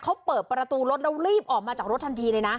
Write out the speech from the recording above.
เขาเปิดประตูรถแล้วรีบออกมาจากรถทันทีเลยนะ